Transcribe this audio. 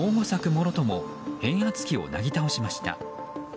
もろとも変圧器をなぎ倒しました。